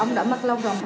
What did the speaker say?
ông đã mất lâu rồi